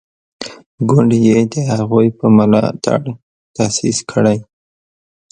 ګوند یې د هغوی په ملاتړ تاسیس کړی.